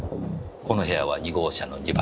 この部屋は２号車の２番。